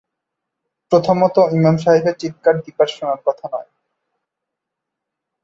প্রথমত ইমাম সাহেবের চিৎকার দিপার শোনার কথা নয়।